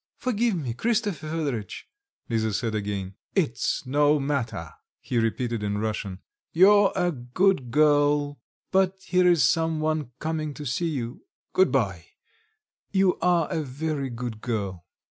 "Forgive me, Christopher Fedoritch," Lisa said again. "It's no matter," he repeated in Russian, "you're a good girl... but here is some one coming to see you. Goodbye. You are a very good girl."